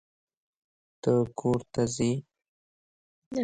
ته کور ته ځې.